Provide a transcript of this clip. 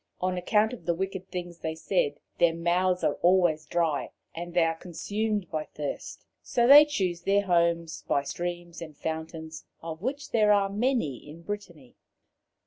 On account of the wicked things they said their mouths are always dry, and they are consumed by thirst; so they chose their homes by streams and fountains, of which there are many in Brittany.